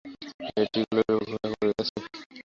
মেয়েটি কোলের উপর ঘুমাইয়া পড়িয়াছে।